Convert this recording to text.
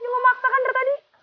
lo maksa kan dari tadi